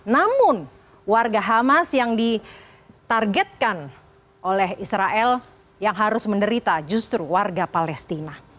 namun warga hamas yang ditargetkan oleh israel yang harus menderita justru warga palestina